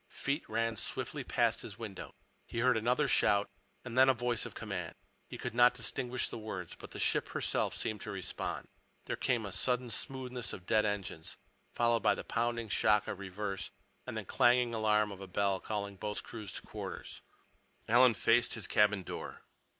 Feet ran swiftly past his window. He heard another shout and then a voice of command. He could not distinguish the words, but the ship herself seemed to respond. There came the sudden smoothness of dead engines, followed by the pounding shock of reverse and the clanging alarm of a bell calling boats' crews to quarters. Alan faced his cabin door.